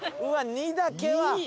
「２」だけは。